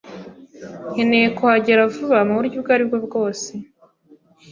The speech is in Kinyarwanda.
Nkeneye kuhagera vuba muburyo ubwo aribwo bwose.